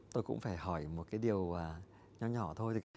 tôi cũng phải hỏi một cái điều nhỏ nhỏ thôi